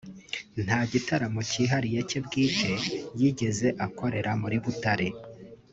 nta gitaramo cyihariye cye bwite yigeze akorera muri Butare